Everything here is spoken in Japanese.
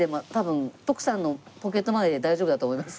徳さんのポケットマネーで大丈夫だと思います。